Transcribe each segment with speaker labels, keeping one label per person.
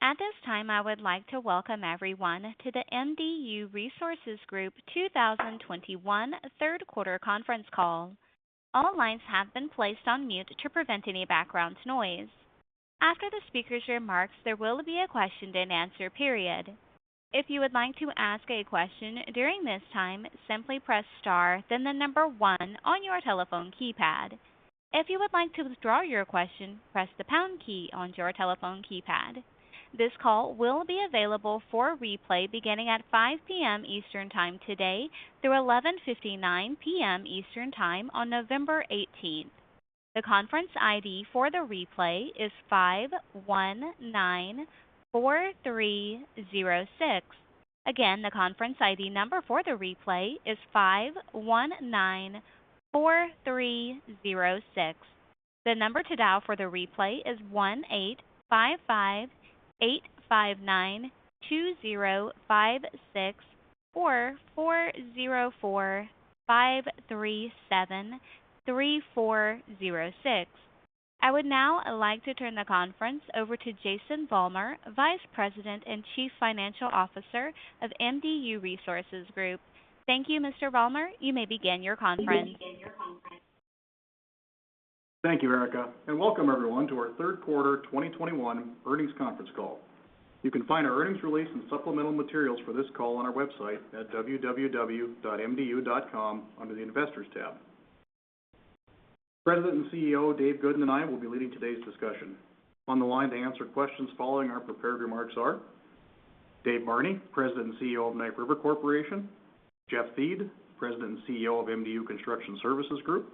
Speaker 1: At this time, I would like to welcome everyone to the MDU Resources Group 2021 third quarter conference call. All lines have been placed on mute to prevent any background noise. After the speaker's remarks, there will be a question-and-answer period. If you would like to ask a question during this time, simply press star then the number one on your telephone keypad. If you would like to withdraw your question, press the pound key on your telephone keypad. This call will be available for replay beginning at 5:00 P.M. Eastern time today through 11:59 P.M. Eastern time on November 18. The conference ID for the replay is 5194306. Again, the conference ID number for the replay is 5194306. The number to dial for the replay is 1-855-859-2056 or 404-537-3406. I would now like to turn the conference over to Jason Vollmer, Vice President and Chief Financial Officer of MDU Resources Group. Thank you, Mr. Vollmer. You may begin your conference.
Speaker 2: Thank you, Erica, and welcome everyone to our third quarter 2021 earnings conference call. You can find our earnings release and supplemental materials for this call on our website at www.mdu.com under the Investors tab. President and CEO Dave Goodin and I will be leading today's discussion. On the line to answer questions following our prepared remarks are Dave Barney, President and CEO of Knife River Corporation, Jeff Thiede, President and CEO of MDU Construction Services Group,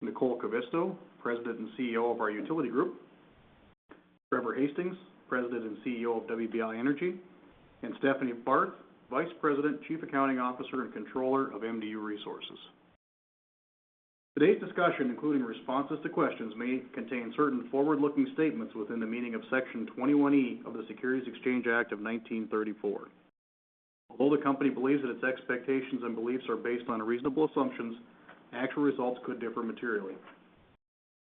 Speaker 2: Nicole Kivisto, President and CEO of our Utility Group, Trevor Hastings, President and CEO of WBI Energy, and Stephanie Barth, Vice President, Chief Accounting Officer, and Controller of MDU Resources. Today's discussion, including responses to questions, may contain certain forward-looking statements within the meaning of Section 21E of the Securities Exchange Act of 1934. Although the company believes that its expectations and beliefs are based on reasonable assumptions, actual results could differ materially.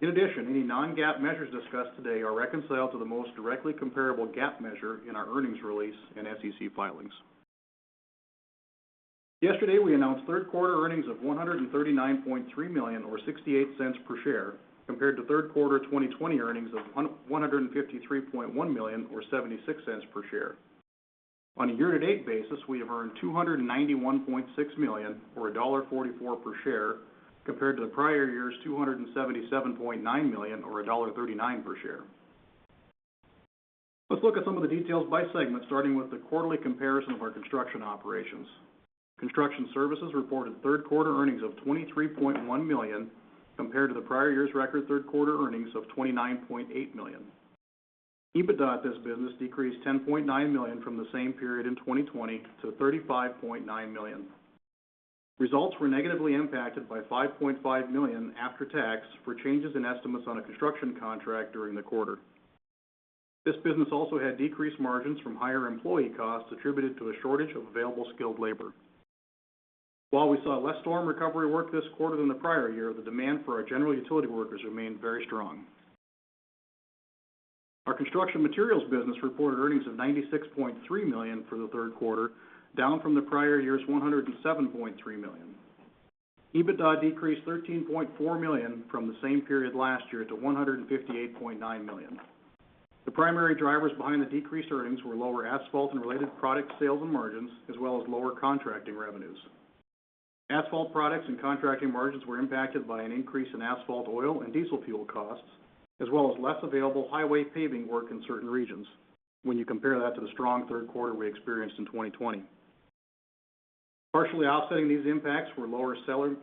Speaker 2: In addition, any non-GAAP measures discussed today are reconciled to the most directly comparable GAAP measure in our earnings release and SEC filings. Yesterday, we announced third quarter earnings of $139.3 million or $0.68 per share compared to third quarter 2020 earnings of $153.1 million or $0.76 per share. On a year-to-date basis, we have earned $291.6 million or $1.44 per share compared to the prior year's $277.9 million or $1.39 per share. Let's look at some of the details by segment, starting with the quarterly comparison of our construction operations. Construction Services reported third quarter earnings of $23.1 million compared to the prior year's record third quarter earnings of $29.8 million. EBITDA at this business decreased $10.9 million from the same period in 2020 to $35.9 million. Results were negatively impacted by $5.5 million after tax for changes in estimates on a construction contract during the quarter. This business also had decreased margins from higher employee costs attributed to a shortage of available skilled labor. While we saw less storm recovery work this quarter than the prior year, the demand for our general utility workers remained very strong. Our Construction Materials business reported earnings of $96.3 million for the third quarter, down from the prior year's $107.3 million. EBITDA decreased $13.4 million from the same period last year to $158.9 million. The primary drivers behind the decreased earnings were lower asphalt and related product sales and margins, as well as lower contracting revenues. Asphalt products and contracting margins were impacted by an increase in asphalt oil and diesel fuel costs, as well as less available highway paving work in certain regions when you compare that to the strong third quarter we experienced in 2020. Partially offsetting these impacts were lower selling,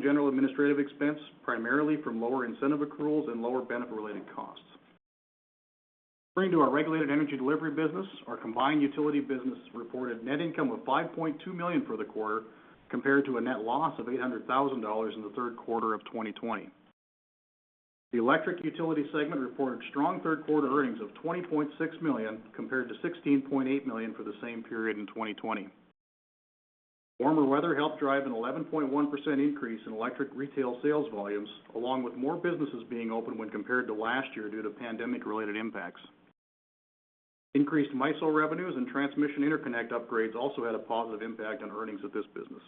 Speaker 2: general and administrative expense, primarily from lower incentive accruals and lower benefit-related costs. Turning to our regulated energy delivery business, our combined utility business reported net income of $5.2 million for the quarter compared to a net loss of $800,000 in the third quarter of 2020. The electric utility segment reported strong third quarter earnings of $20.6 million compared to $16.8 million for the same period in 2020. Warmer weather helped drive an 11.1% increase in electric retail sales volumes, along with more businesses being open when compared to last year due to pandemic-related impacts. Increased MICL revenues and transmission interconnect upgrades also had a positive impact on earnings of this business.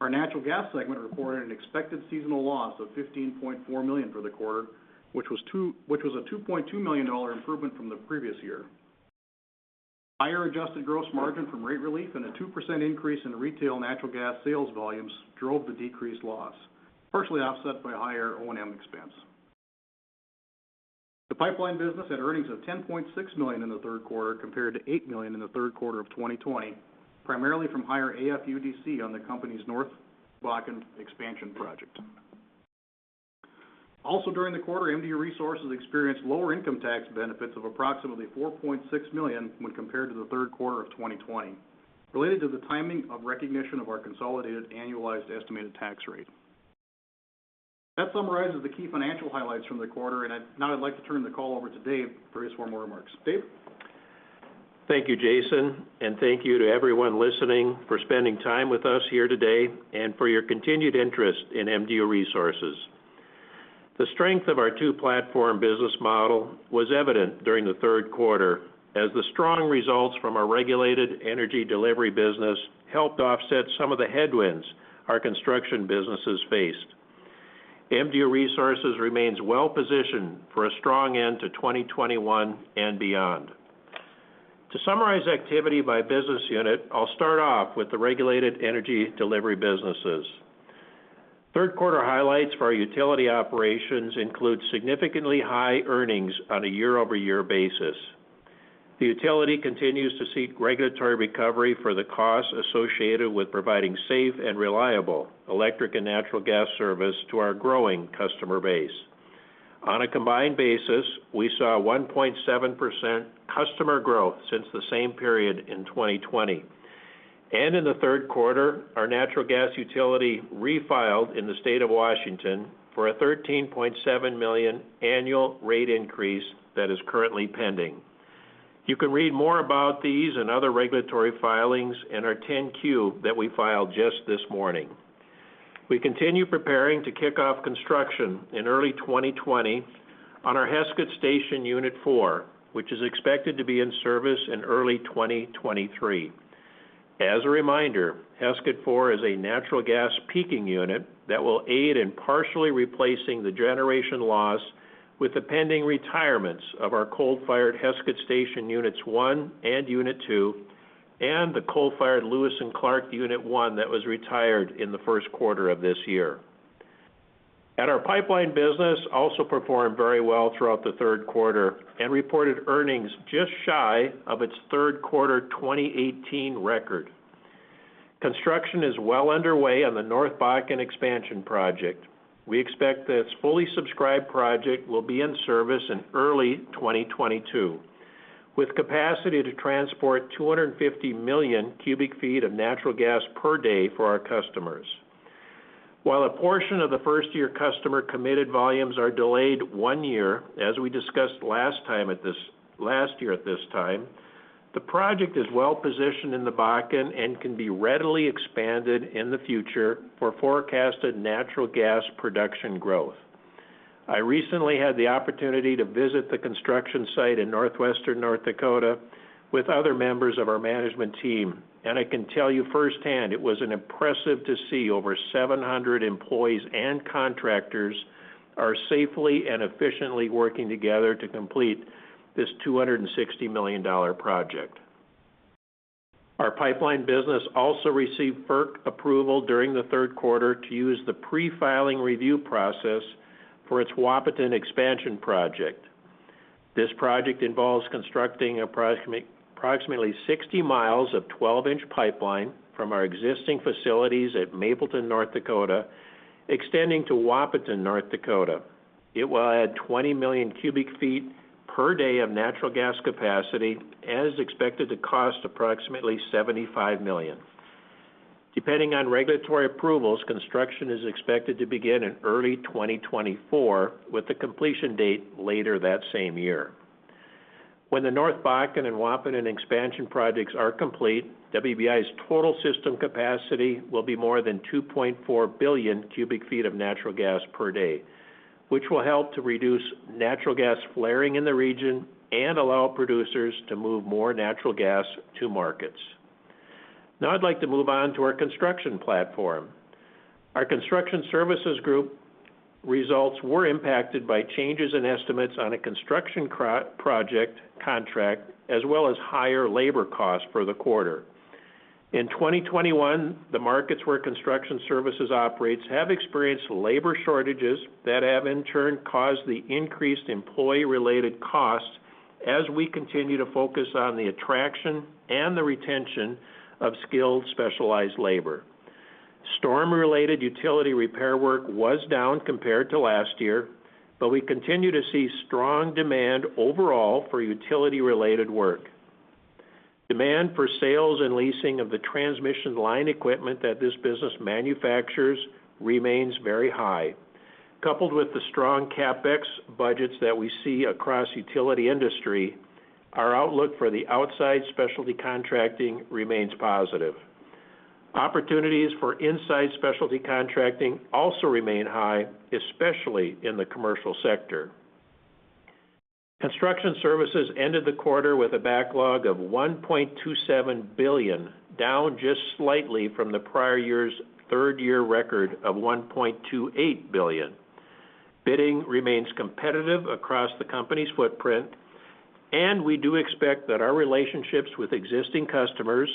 Speaker 2: Our natural gas segment reported an expected seasonal loss of $15.4 million for the quarter, which was a $2.2 million improvement from the previous year. Higher adjusted gross margin from rate relief and a 2% increase in retail natural gas sales volumes drove the decreased loss, partially offset by higher O&M expense. The pipeline business had earnings of $10.6 million in the third quarter compared to $8 million in the third quarter of 2020, primarily from higher AFUDC on the company's North Bakken Expansion Project. Also during the quarter, MDU Resources experienced lower income tax benefits of approximately $4.6 million when compared to the third quarter of 2020, related to the timing of recognition of our consolidated annualized estimated tax rate. That summarizes the key financial highlights from the quarter, and I'd like to turn the call over to Dave for his formal remarks. Dave?
Speaker 3: Thank you, Jason, and thank you to everyone listening for spending time with us here today and for your continued interest in MDU Resources. The strength of our two-platform business model was evident during the third quarter as the strong results from our regulated energy delivery business helped offset some of the headwinds our construction businesses faced. MDU Resources remains well positioned for a strong end to 2021 and beyond. To summarize activity by business unit, I'll start off with the regulated energy delivery businesses. Third quarter highlights for our utility operations include significantly high earnings on a year-over-year basis. The utility continues to seek regulatory recovery for the costs associated with providing safe and reliable electric and natural gas service to our growing customer base. On a combined basis, we saw 1.7% customer growth since the same period in 2020. In the third quarter, our natural gas utility refiled in the state of Washington for a $13.7 million annual rate increase that is currently pending. You can read more about these and other regulatory filings in our 10-Q that we filed just this morning. We continue preparing to kick off construction in early 2020 on our Heskett Station Unit IV, which is expected to be in service in early 2023. As a reminder, Heskett 4 is a natural gas peaking unit that will aid in partially replacing the generation loss with the pending retirements of our coal-fired Heskett Station Units 1 and 2 and the coal-fired Lewis & Clark Unit 1 that was retired in the first quarter of this year. Our pipeline business also performed very well throughout the third quarter and reported earnings just shy of its third-quarter 2018 record. Construction is well underway on the North Bakken Expansion Project. We expect this fully subscribed project will be in service in early 2022, with capacity to transport 250 million cubic feet of natural gas per day for our customers. While a portion of the first-year customer-committed volumes are delayed one year, as we discussed last year at this time, the project is well positioned in the Bakken and can be readily expanded in the future for forecasted natural gas production growth. I recently had the opportunity to visit the construction site in northwestern North Dakota with other members of our management team, and I can tell you firsthand it was impressive to see over 700 employees and contractors safely and efficiently working together to complete this $260 million project. Our pipeline business also received FERC approval during the third quarter to use the pre-filing review process for its Wahpeton expansion project. This project involves constructing approximately 60 mi of 12-inch pipeline from our existing facilities at Mapleton, North Dakota, extending to Wahpeton, North Dakota. It will add 20 million cubic feet per day of natural gas capacity and is expected to cost approximately $75 million. Depending on regulatory approvals, construction is expected to begin in early 2024, with the completion date later that same year. When the North Bakken and Wahpeton expansion projects are complete, WBI's total system capacity will be more than 2.4 billion cubic feet of natural gas per day, which will help to reduce natural gas flaring in the region and allow producers to move more natural gas to markets. Now I'd like to move on to our construction platform. Our Construction Services Group results were impacted by changes in estimates on a construction project contract as well as higher labor costs for the quarter. In 2021, the markets where Construction Services operates have experienced labor shortages that have in turn caused the increased employee-related costs as we continue to focus on the attraction and the retention of skilled, specialized labor. Storm-related utility repair work was down compared to last year, but we continue to see strong demand overall for utility-related work. Demand for sales and leasing of the transmission line equipment that this business manufactures remains very high. Coupled with the strong CapEx budgets that we see across utility industry, our outlook for the outside specialty contracting remains positive. Opportunities for inside specialty contracting also remain high, especially in the commercial sector. Construction Services ended the quarter with a backlog of $1.27 billion, down just slightly from the prior year's third quarter record of $1.28 billion. Bidding remains competitive across the company's footprint, and we do expect that our relationships with existing customers,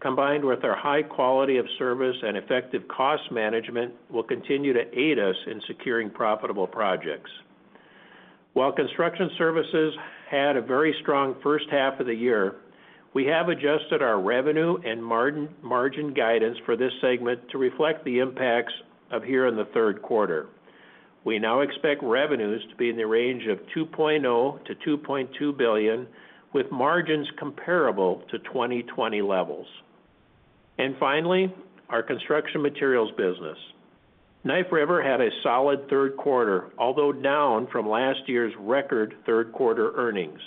Speaker 3: combined with our high quality of service and effective cost management, will continue to aid us in securing profitable projects. While Construction Services had a very strong first half of the year, we have adjusted our revenue and margin guidance for this segment to reflect the impacts of here in the third quarter. We now expect revenues to be in the range of $2.0 billion-$2.2 billion, with margins comparable to 2020 levels. Finally, our Construction Materials business. Knife River had a solid third quarter, although down from last year's record third quarter earnings.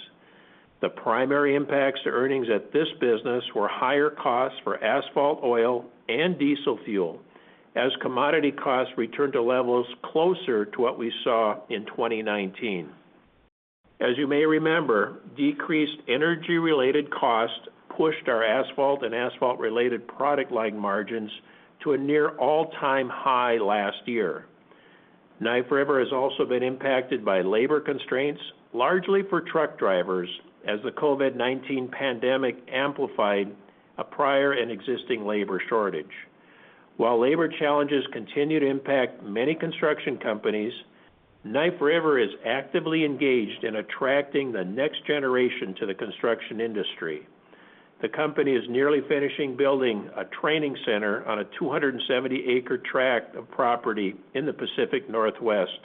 Speaker 3: The primary impacts to earnings at this business were higher costs for asphalt oil and diesel fuel as commodity costs returned to levels closer to what we saw in 2019. As you may remember, decreased energy-related costs pushed our asphalt and asphalt-related product line margins to a near all-time high last year. Knife River has also been impacted by labor constraints, largely for truck drivers, as the COVID-19 pandemic amplified a prior and existing labor shortage. While labor challenges continue to impact many construction companies, Knife River is actively engaged in attracting the next generation to the construction industry. The company is nearly finishing building a training center on a 270-acre tract of property in the Pacific Northwest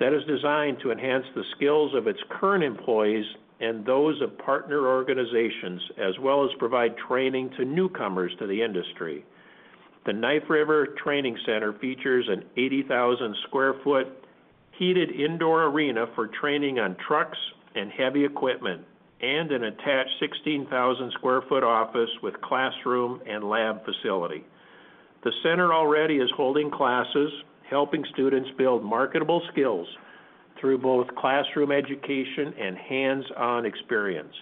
Speaker 3: that is designed to enhance the skills of its current employees and those of partner organizations, as well as provide training to newcomers to the industry. The Knife River Training Center features an 80,000 sq ft heated indoor arena for training on trucks and heavy equipment and an attached 16,000 sq ft office with classroom and lab facility. The center already is holding classes, helping students build marketable skills through both classroom education and hands-on experience.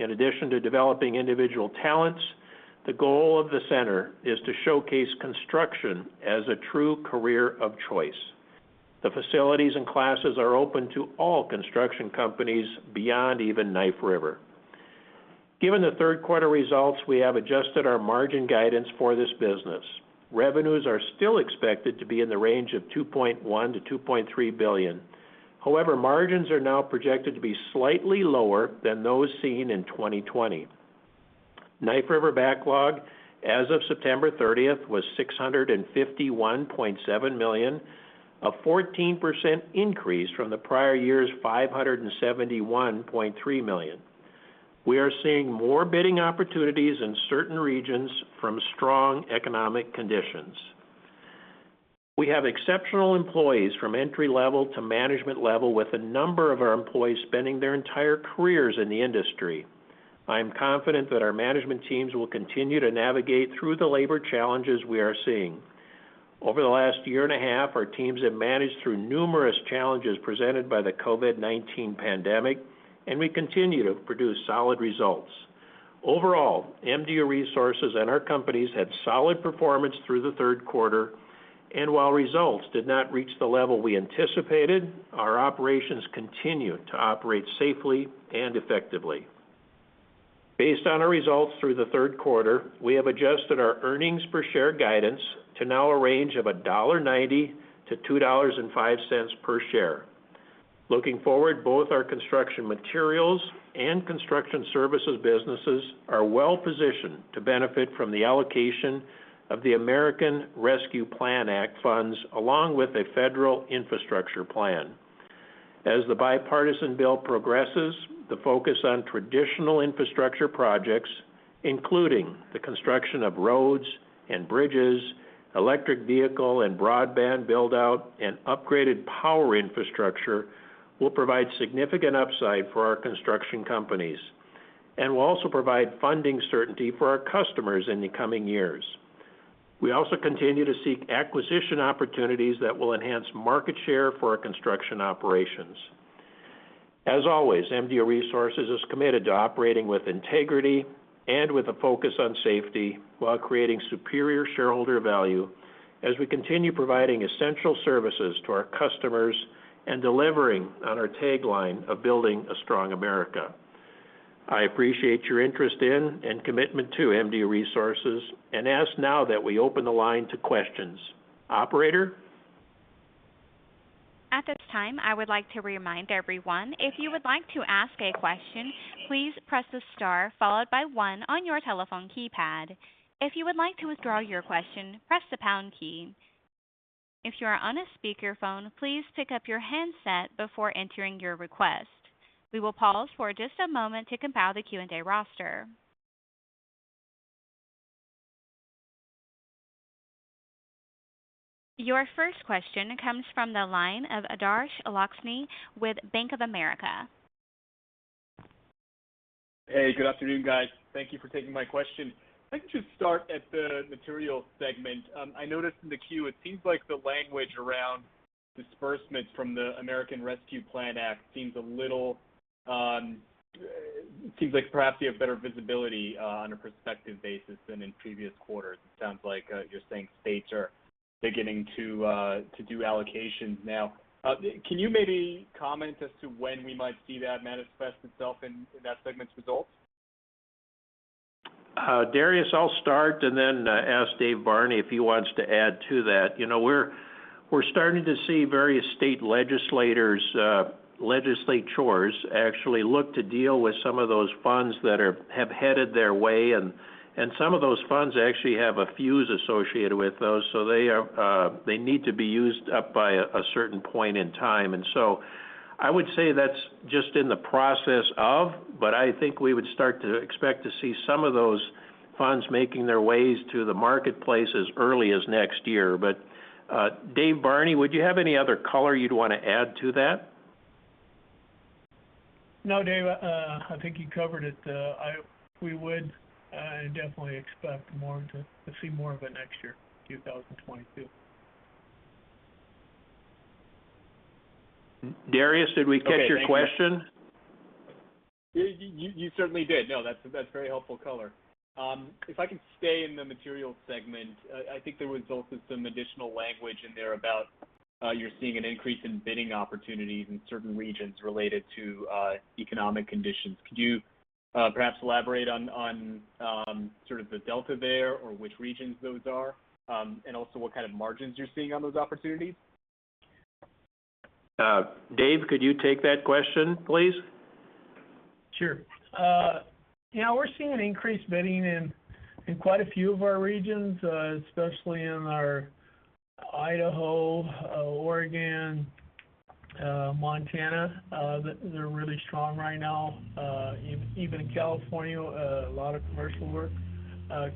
Speaker 3: In addition to developing individual talents, the goal of the center is to showcase construction as a true career of choice. The facilities and classes are open to all construction companies beyond even Knife River. Given the third quarter results, we have adjusted our margin guidance for this business. Revenues are still expected to be in the range of $2.1 billion-$2.3 billion. However, margins are now projected to be slightly lower than those seen in 2020. Knife River backlog as of September 30 was $651.7 million, a 14% increase from the prior year's $571.3 million. We are seeing more bidding opportunities in certain regions from strong economic conditions. We have exceptional employees from entry level to management level, with a number of our employees spending their entire careers in the industry. I am confident that our management teams will continue to navigate through the labor challenges we are seeing. Over the last year and a half, our teams have managed through numerous challenges presented by the COVID-19 pandemic, and we continue to produce solid results. Overall, MDU Resources and our companies had solid performance through the third quarter. While results did not reach the level we anticipated, our operations continued to operate safely and effectively. Based on our results through the third quarter, we have adjusted our earnings per share guidance to a range of $1.90-$2.05 per share. Looking forward, both our Construction Materials and Construction Services businesses are well-positioned to benefit from the allocation of the American Rescue Plan Act funds, along with a federal infrastructure plan. As the bipartisan bill progresses, the focus on traditional infrastructure projects, including the construction of roads and bridges, electric vehicle and broadband build-out, and upgraded power infrastructure, will provide significant upside for our construction companies and will also provide funding certainty for our customers in the coming years. We also continue to seek acquisition opportunities that will enhance market share for our construction operations. As always, MDU Resources is committed to operating with integrity and with a focus on safety while creating superior shareholder value as we continue providing essential services to our customers and delivering on our tagline of Building a Strong America. I appreciate your interest in and commitment to MDU Resources, and ask now that we open the line to questions. Operator?
Speaker 1: At this time, I would like to remind everyone, if you would like to ask a question, please press the star followed by one on your telephone keypad. If you would like to withdraw your question, press the pound key. If you are on a speakerphone, please pick up your handset before entering your request. We will pause for just a moment to compile the Q&A roster. Your first question comes from the line of Dariusz Lozny with Bank of America.
Speaker 4: Hey, good afternoon, guys. Thank you for taking my question. If I could just start at the materials segment. I noticed in the Q, it seems like the language around disbursements from the American Rescue Plan Act seems a little, it seems like perhaps you have better visibility on a prospective basis than in previous quarters. It sounds like you're saying states are beginning to do allocations now. Can you maybe comment as to when we might see that manifest itself in that segment's results?
Speaker 3: Darius, I'll start and then ask Dave Barney if he wants to add to that. You know, we're starting to see various state legislatures actually look to deal with some of those funds that have headed their way. Some of those funds actually have a fuse associated with those. They need to be used up by a certain point in time. I would say that's just in the process of, but I think we would start to expect to see some of those funds making their ways to the marketplace as early as next year. Dave Barney, would you have any other color you'd wanna add to that?
Speaker 5: No, Dave, I think you covered it. We would definitely expect to see more of it next year, 2022.
Speaker 3: Dariusz, did we catch your question?
Speaker 4: You certainly did. No, that's very helpful color. If I can stay in the materials segment, I think there was also some additional language in there about you're seeing an increase in bidding opportunities in certain regions related to economic conditions. Could you perhaps elaborate on sort of the delta there or which regions those are, and also what kind of margins you're seeing on those opportunities?
Speaker 3: Dave, could you take that question, please?
Speaker 5: Sure. Yeah, we're seeing an increased bidding in quite a few of our regions, especially in our Idaho, Oregon, Montana. They're really strong right now. Even in California, a lot of commercial work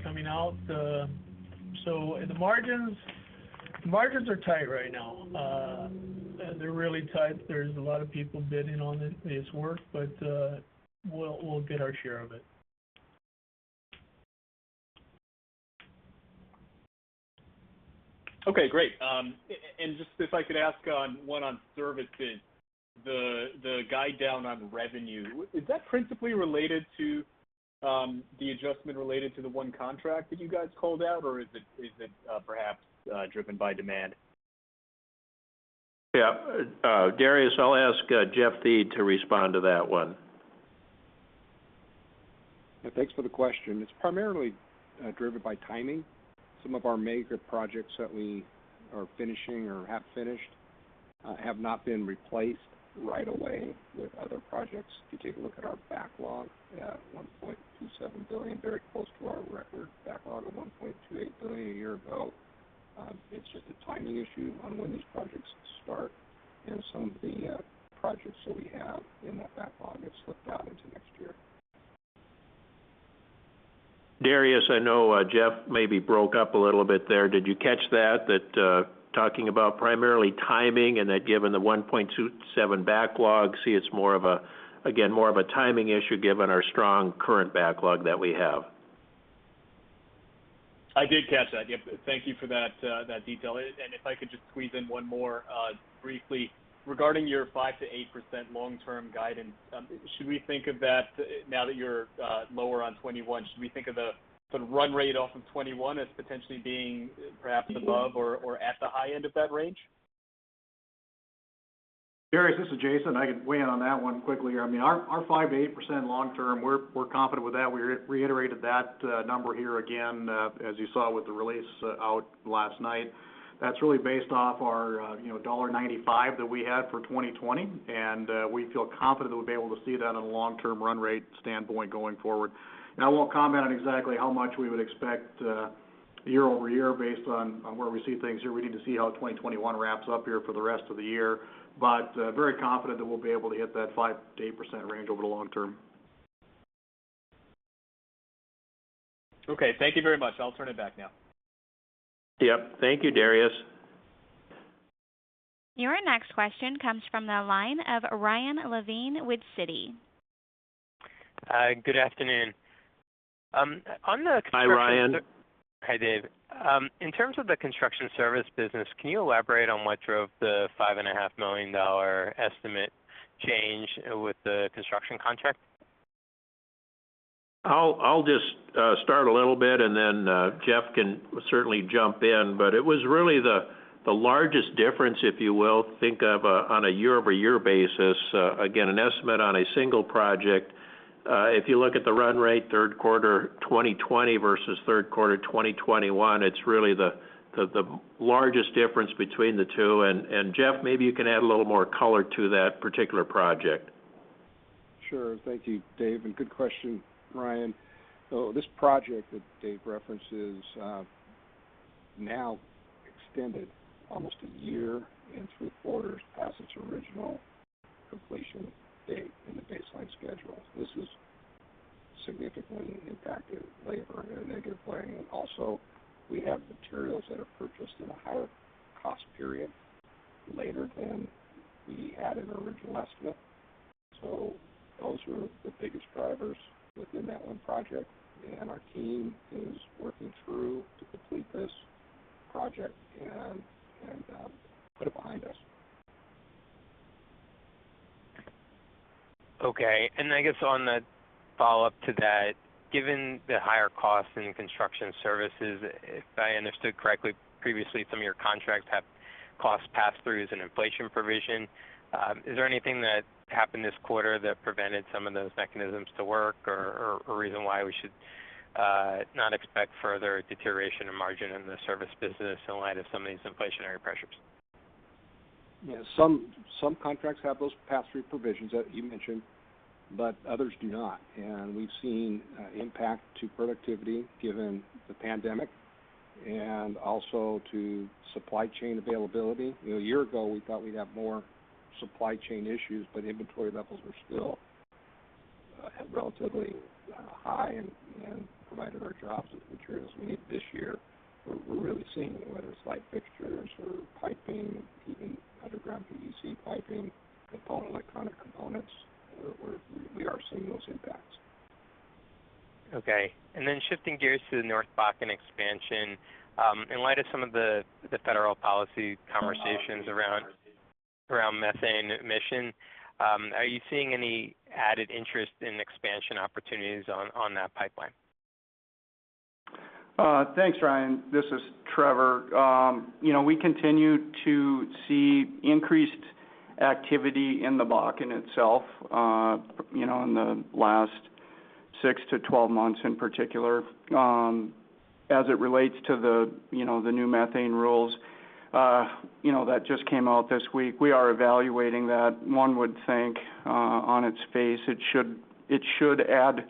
Speaker 5: coming out. In the margins are tight right now. They're really tight. There's a lot of people bidding on this work, but we'll get our share of it.
Speaker 4: Okay, great. Just if I could ask one on services, the guide down on revenue, is that principally related to the adjustment related to the one contract that you guys called out, or is it perhaps driven by demand?
Speaker 3: Yeah. Darius, I'll ask Jeff Thiede to respond to that one.
Speaker 6: Yeah, thanks for the question. It's primarily driven by timing. Some of our major projects that we are finishing or have finished have not been replaced right away with other projects. If you take a look at our backlog at $1.27 billion, very close to our record backlog of $1.28 billion a year ago, it's just a timing issue on when these projects start and some of the projects that we have in that backlog have slipped out into next year.
Speaker 3: Darius, I know Jeff maybe broke up a little bit there. Did you catch that talking about primarily timing and that given the $1.27 billion backlog? See, it's more of a, again, more of a timing issue given our strong current backlog that we have.
Speaker 4: I did catch that. Yep. Thank you for that detail. If I could just squeeze in one more, briefly. Regarding your 5%-8% long-term guidance, should we think of that now that you're lower on 2021? Should we think of the sort of run rate off of 2021 as potentially being perhaps above or at the high end of that range?
Speaker 2: Darius, this is Jason. I can weigh in on that one quickly. I mean, our 5%-8% long-term, we're confident with that. We reiterated that number here again as you saw with the release out last night. That's really based off our you know $1.95 that we had for 2020, and we feel confident that we'll be able to see that on a long-term run rate standpoint going forward. Now, I won't comment on exactly how much we would expect year-over-year based on where we see things here. We need to see how 2021 wraps up here for the rest of the year. Very confident that we'll be able to hit that 5%-8% range over the long term.
Speaker 4: Okay. Thank you very much. I'll turn it back now.
Speaker 3: Yep. Thank you, Darius.
Speaker 1: Your next question comes from the line of Ryan Levine with Citi.
Speaker 7: Good afternoon. On the-
Speaker 3: Hi, Ryan.
Speaker 7: Hi, Dave. In terms of the construction service business, can you elaborate on what drove the $5.5 million estimate change with the construction contract?
Speaker 3: I'll just start a little bit, and then Jeff can certainly jump in. It was really the largest difference, if you will, think of on a year-over-year basis, again, an estimate on a single project. If you look at the run rate third quarter 2020 versus third quarter 2021, it's really the largest difference between the two. Jeff, maybe you can add a little more color to that particular project.
Speaker 6: Sure. Thank you, Dave, and good question, Ryan. This project that Dave references, now extended almost a year and three quarters past its original completion date in the baseline schedule. This has significantly impacted labor in a negative way. Also, we have materials that are purchased in a higher cost period later than we had in the original estimate. Those were the biggest drivers within that one project. Our team is working through to complete this project and put it behind us.
Speaker 7: Okay. I guess on the follow-up to that, given the higher costs in Construction Services, if I understood correctly previously, some of your contracts have cost passthroughs and inflation provision. Is there anything that happened this quarter that prevented some of those mechanisms to work or reason why we should not expect further deterioration of margin in the service business in light of some of these inflationary pressures?
Speaker 6: Yeah. Some contracts have those passthrough provisions that you mentioned, but others do not. We've seen impact to productivity given the pandemic. Also to supply chain availability. You know, a year ago, we thought we'd have more supply chain issues, but inventory levels were still relatively high and provided our jobs with materials we need this year. We're really seeing whether it's light fixtures or piping, even underground PVC piping, electronic components. We are seeing those impacts.
Speaker 7: Okay. Shifting gears to the North Bakken Expansion, in light of some of the federal policy conversations around methane emission, are you seeing any added interest in expansion opportunities on that pipeline?
Speaker 8: Thanks, Ryan. This is Trevor. You know, we continue to see increased activity in the Bakken itself, you know, in the last six to 12 months in particular. As it relates to the new methane rules, you know, that just came out this week, we are evaluating that. One would think on its face it should add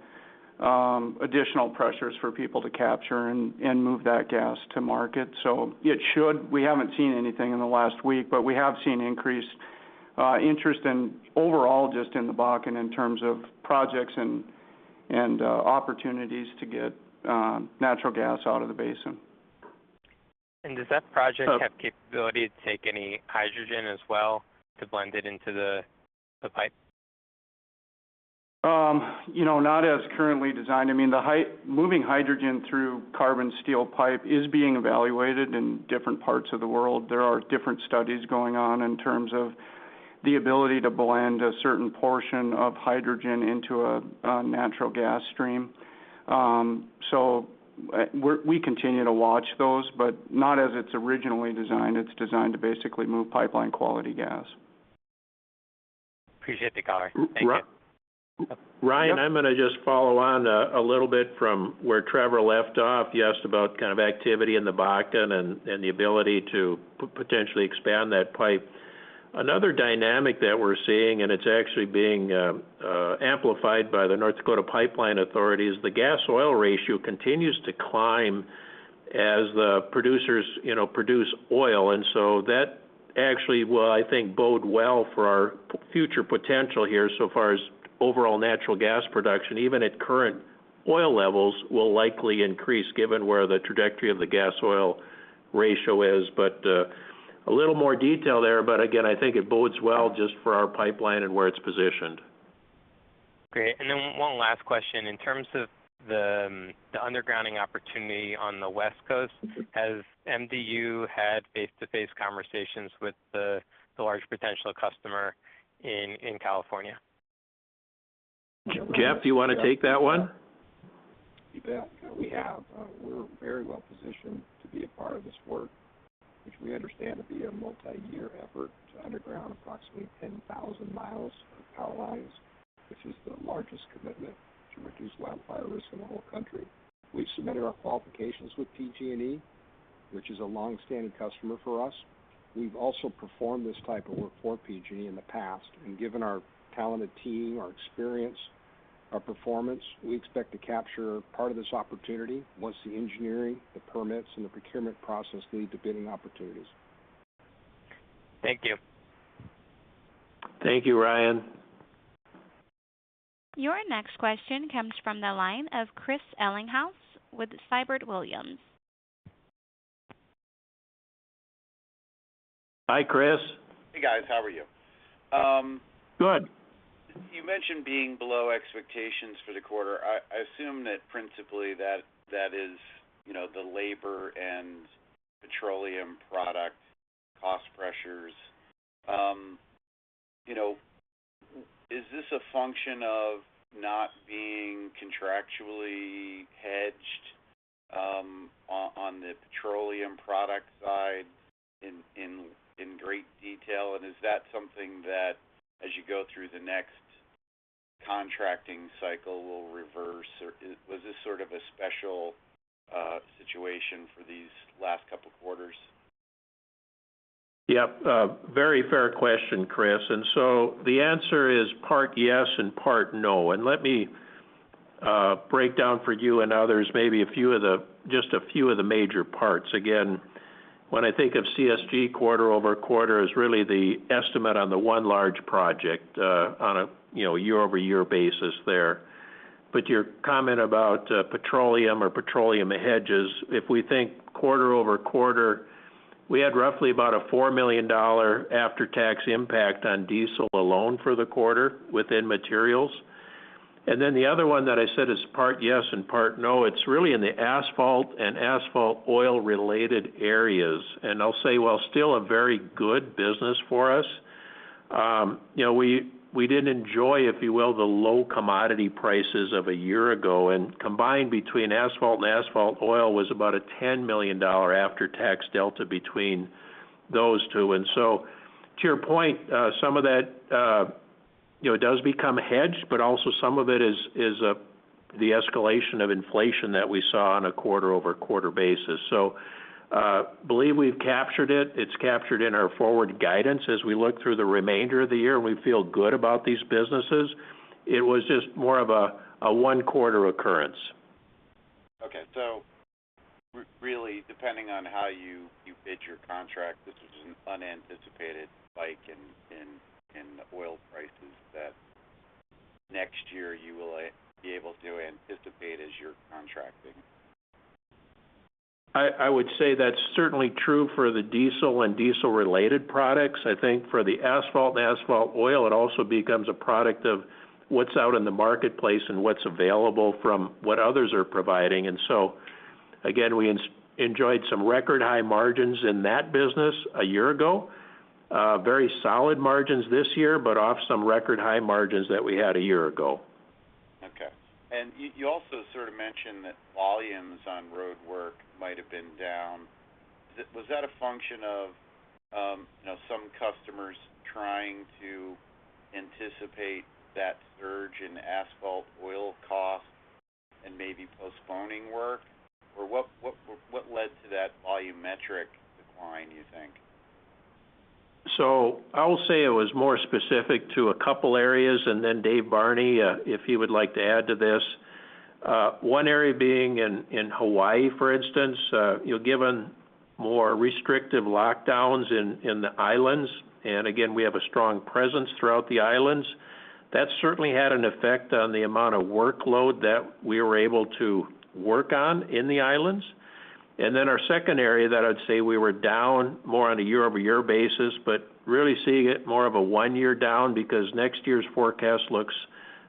Speaker 8: additional pressures for people to capture and move that gas to market. So, it should. We haven't seen anything in the last week, but we have seen increased interest in overall just in the Bakken in terms of projects and opportunities to get natural gas out of the basin.
Speaker 7: Does that project have capability to take any hydrogen as well to blend it into the pipe?
Speaker 8: You know, not as currently designed. I mean, moving hydrogen through carbon steel pipe is being evaluated in different parts of the world. There are different studies going on in terms of the ability to blend a certain portion of hydrogen into a natural gas stream. We continue to watch those, but not as it's originally designed. It's designed to basically move pipeline quality gas.
Speaker 7: Appreciate the color. Thank you.
Speaker 3: R-Ry-
Speaker 8: Yep.
Speaker 3: Ryan, I'm gonna just follow on, a little bit from where Trevor left off. You asked about kind of activity in the Bakken and the ability to potentially expand that pipe. Another dynamic that we're seeing, and it's actually being amplified by the North Dakota Pipeline Authority, is the gas oil ratio continues to climb as the producers, you know, produce oil. That actually will, I think, bode well for our future potential here so far as overall natural gas production, even at current oil levels, will likely increase given where the trajectory of the gas oil ratio is. A little more detail there, but again, I think it bodes well just for our pipeline and where it's positioned.
Speaker 7: Great. One last question. In terms of the undergrounding opportunity on the West Coast, has MDU had face-to-face conversations with the large potential customer in California?
Speaker 3: Jeff, do you wanna take that one?
Speaker 6: You bet. We have. We're very well positioned to be a part of this work, which we understand to be a multi-year effort to underground approximately 10,000 mi of power lines, which is the largest commitment to reduce wildfire risk in the whole country. We've submitted our qualifications with PG&E, which is a long-standing customer for us. We've also performed this type of work for PG&E in the past, and given our talented team, our experience, our performance, we expect to capture part of this opportunity once the engineering, the permits, and the procurement process lead to bidding opportunities.
Speaker 7: Thank you.
Speaker 3: Thank you, Ryan.
Speaker 1: Your next question comes from the line of Chris Ellinghaus with Siebert Williams.
Speaker 3: Hi, Chris.
Speaker 9: Hey, guys. How are you?
Speaker 3: Good.
Speaker 9: You mentioned being below expectations for the quarter. I assume that principally that is, you know, the labor and petroleum product cost pressures. You know, is this a function of not being contractually hedged on the petroleum product side in great detail? And is that something that, as you go through the next contracting cycle, will reverse or was this sort of a special situation for these last couple of quarters?
Speaker 3: Yep. A very fair question, Chris. The answer is part yes and part no. Let me break down for you and others maybe just a few of the major parts. Again, when I think of CSG quarter-over-quarter is really the estimate on the one large project, on a, you know, year-over-year basis there. Your comment about petroleum or petroleum hedges, if we think quarter-over-quarter, we had roughly about a $4 million after-tax impact on diesel alone for the quarter within materials. Then the other one that I said is part yes and part no, it's really in the asphalt and asphalt oil related areas. I'll say while still a very good business for us, you know, we didn't enjoy, if you will, the low commodity prices of a year ago. Combined between asphalt and asphalt oil was about a $10 million after-tax delta between those two. To your point, some of that, you know, does become hedged, but also some of it is the escalation of inflation that we saw on a quarter-over-quarter basis. Believe we've captured it. It's captured in our forward guidance. As we look through the remainder of the year, we feel good about these businesses. It was just more of a one-quarter occurrence.
Speaker 9: Really, depending on how you bid your contract, this was an unanticipated spike in oil prices that next year you will be able to anticipate as you're contracting.
Speaker 3: I would say that's certainly true for the diesel and diesel-related products. I think for the asphalt and asphalt oil, it also becomes a product of what's out in the marketplace and what's available from what others are providing. again, we enjoyed some record high margins in that business a year ago. Very solid margins this year, but off some record high margins that we had a year ago.
Speaker 9: Okay. You also sort of mentioned that volumes on roadwork might have been down. Was that a function of, you know, some customers trying to anticipate that surge in asphalt oil costs and maybe postponing work? Or what led to that volumetric decline, you think?
Speaker 3: I'll say it was more specific to a couple areas, and then Dave Barney, if he would like to add to this. One area being in Hawaii, for instance. You know, given more restrictive lockdowns in the islands, and again, we have a strong presence throughout the islands. That certainly had an effect on the amount of workload that we were able to work on in the islands. Our second area that I'd say we were down more on a year-over-year basis, but really seeing it more of a one-year down because next year's forecast looks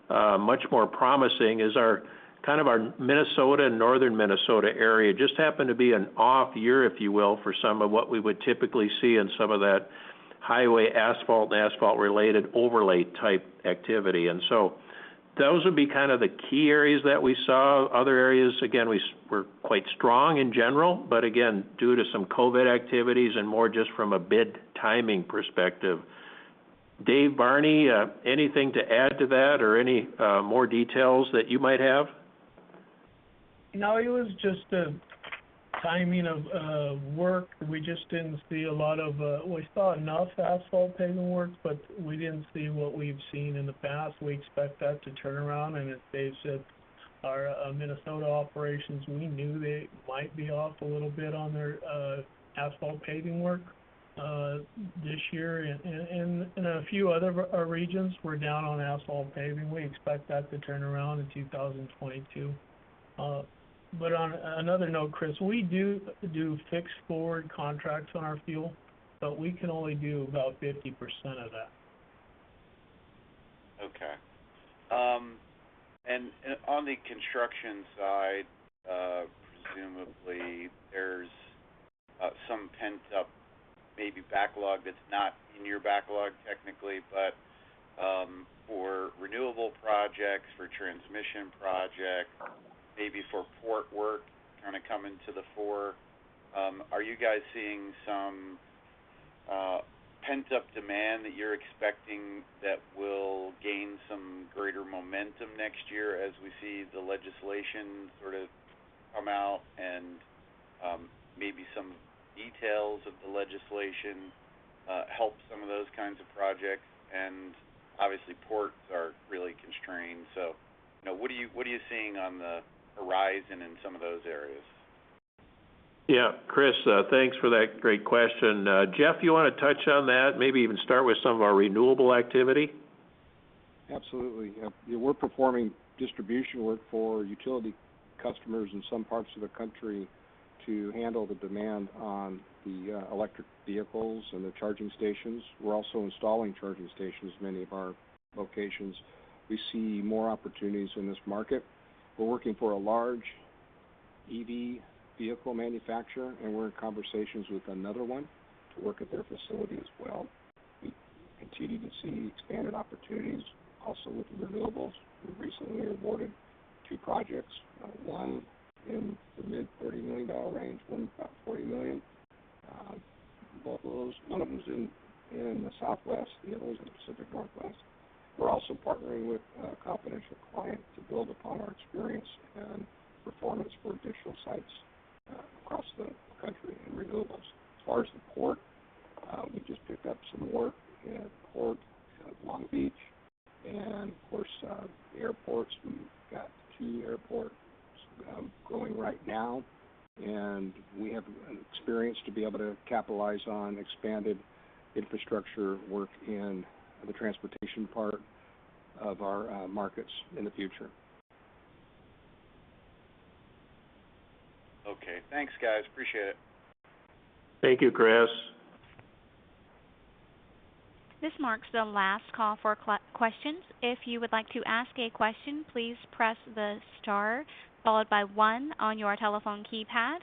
Speaker 3: much more promising, is our kind of our Minnesota and northern Minnesota area. Just happened to be an off year, if you will, for some of what we would typically see in some of that highway asphalt and asphalt-related overlay type activity. Those would be kind of the key areas that we saw. Other areas, again, we're quite strong in general, but again, due to some COVID activities and more just from a bid timing perspective. Dave Barney, anything to add to that or any more details that you might have?
Speaker 5: No, it was just a timing of work. We just didn't see a lot of work. We saw enough asphalt paving work, but we didn't see what we've seen in the past. We expect that to turn around. As Dave said, our Minnesota operations, we knew they might be off a little bit on their asphalt paving work this year. A few other regions were down on asphalt paving. We expect that to turn around in 2022. On another note, Chris, we do fixed forward contracts on our fuel, but we can only do about 50% of that.
Speaker 9: Okay. On the construction side, presumably there's some pent-up, maybe backlog that's not in your backlog technically. For renewable projects, for transmission projects, maybe for port work kinda coming to the fore, are you guys seeing some pent-up demand that you're expecting that will gain some greater momentum next year as we see the legislation sort of come out and maybe some details of the legislation help some of those kinds of projects? Obviously, ports are really constrained. You know, what are you seeing on the horizon in some of those areas?
Speaker 3: Yeah. Chris, thanks for that great question. Jeff, you wanna touch on that, maybe even start with some of our renewable activity?
Speaker 6: Absolutely, yeah. We're performing distribution work for utility customers in some parts of the country to handle the demand on the electric vehicles and the charging stations. We're also installing charging stations in many of our locations. We see more opportunities in this market. We're working for a large EV vehicle manufacturer, and we're in conversations with another one to work at their facility as well. We continue to see expanded opportunities also with renewables. We recently awarded two projects, one in the mid $30 million range, one about $40 million. Both of those, one of them is in the Southwest, the other one's in the Pacific Northwest. We're also partnering with a confidential client to build upon our experience and performance for additional sites across the country in renewables. As far as the port, we just picked up some work at Port of Long Beach. Of course, airports, we've got two airports going right now. We have an experience to be able to capitalize on expanded infrastructure work in the transportation part of our markets in the future.
Speaker 9: Okay. Thanks, guys. Appreciate it.
Speaker 3: Thank you, Chris.
Speaker 1: This marks the last call for questions. If you would like to ask a question, please press the star followed by one on your telephone keypad.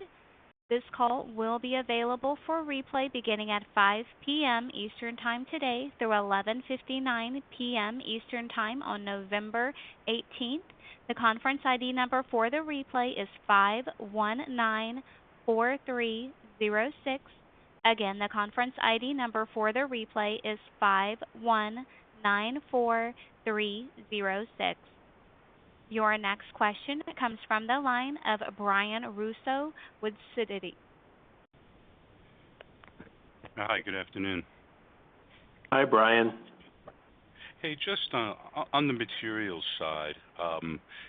Speaker 1: This call will be available for replay beginning at 5 PM Eastern Time today through 11:59 PM Eastern Time on November 18th. The conference ID number for the repay is 5194306. Again, the conference ID number for the replay is 5194306. Your next question comes from the line of Brian Russo with Sidoti.
Speaker 10: Hi, good afternoon.
Speaker 3: Hi, Brian.
Speaker 10: Hey, just on the materials side.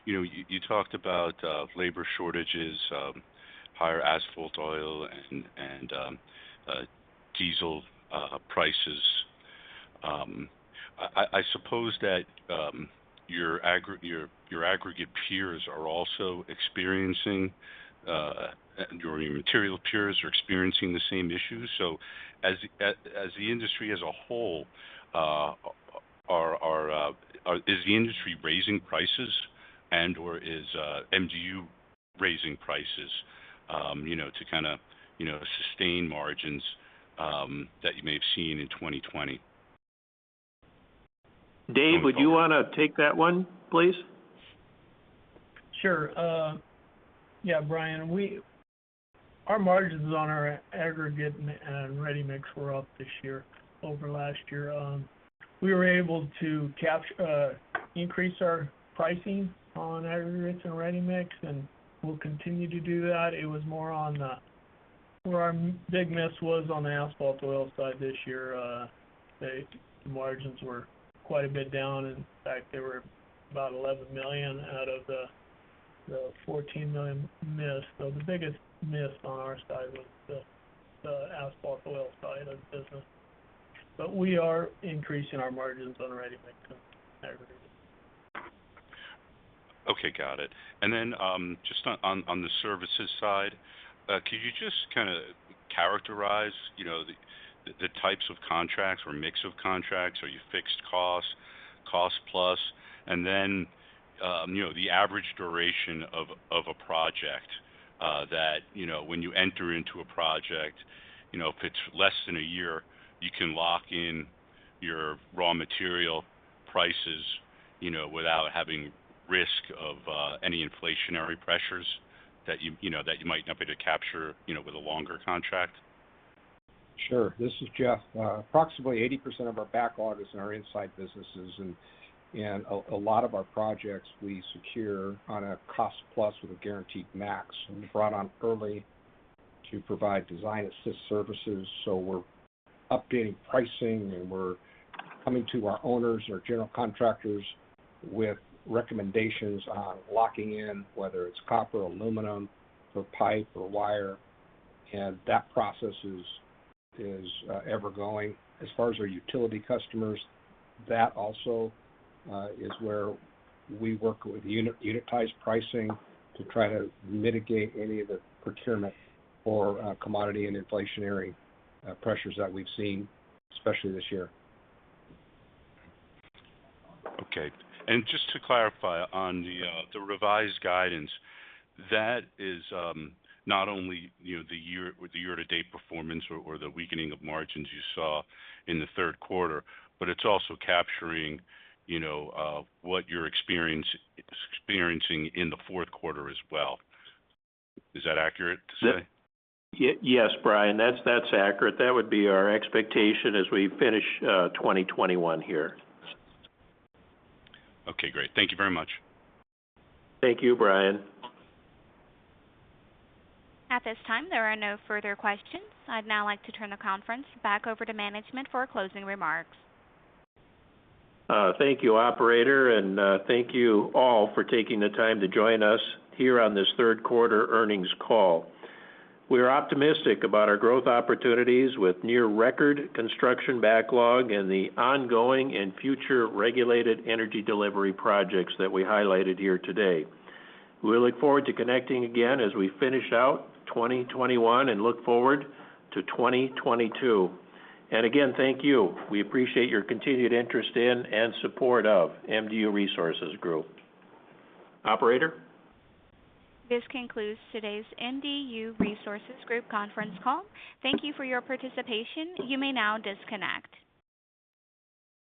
Speaker 10: You know, you talked about labor shortages, higher asphalt oil and diesel prices. I suppose that your aggregate peers are also experiencing, and your material peers are experiencing the same issues. As the industry as a whole, is the industry raising prices and/or is MDU raising prices, you know, to kind of, you know, sustain margins that you may have seen in 2020?
Speaker 3: Dave, would you want to take that one, please?
Speaker 5: Sure. Brian, our margins on our aggregates and ready-mix were up this year over last year. We were able to increase our pricing on aggregates and ready-mix, and we'll continue to do that. It was more on where our big miss was on the asphalt oil side this year, the margins were quite a bit down. In fact, they were about $11 million out of the $14 million miss. The biggest miss on our side was the asphalt oil side of the business. We are increasing our margins on ready-mix aggregates.
Speaker 10: Okay, got it. Just on the services side, could you just kind of characterize, you know, the types of contracts or mix of contracts? Are you fixed costs, cost plus? You know, the average duration of a project that, you know, when you enter into a project, you know, if it's less than a year, you can lock in your raw material prices, you know, without having risk of any inflationary pressures that you know, that you might not be able to capture, you know, with a longer contract.
Speaker 6: Sure. This is Jeff. Approximately 80% of our backlog is in our inside businesses and a lot of our projects we secure on a cost plus with a guaranteed max. We've brought on early to provide design assist services, so we're updating pricing, and we're coming to our owners or general contractors with recommendations on locking in, whether it's copper, aluminum for pipe or wire. That process is ever going. As far as our utility customers, that also is where we work with unitized pricing to try to mitigate any of the procurement or commodity and inflationary pressures that we've seen, especially this year.
Speaker 10: Okay. Just to clarify on the revised guidance, that is not only, you know, the year or the year-to-date performance or the weakening of margins you saw in the third quarter, but it's also capturing, you know, what you're experiencing in the fourth quarter as well. Is that accurate to say?
Speaker 3: Yes, Brian, that's accurate. That would be our expectation as we finish 2021 here.
Speaker 10: Okay, great. Thank you very much.
Speaker 3: Thank you, Brian.
Speaker 1: At this time, there are no further questions. I'd now like to turn the conference back over to management for closing remarks.
Speaker 3: Thank you, operator, and thank you all for taking the time to join us here on this third quarter earnings call. We are optimistic about our growth opportunities with near record construction backlog and the ongoing and future regulated energy delivery projects that we highlighted here today. We look forward to connecting again as we finish out 2021 and look forward to 2022. Again, thank you. We appreciate your continued interest in and support of MDU Resources Group. Operator.
Speaker 1: This concludes today's MDU Resources Group conference call. Thank you for your participation. You may now disconnect.